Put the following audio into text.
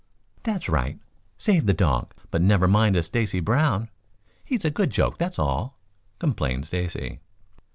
"That's right. Save the donk, but never mind a Stacy Brown. He's a good joke, that's all," complained Stacy.